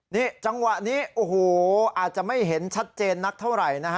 นี่จังหวะนี้อาจจะไม่เห็นชัดเจนนักเท่าไหร่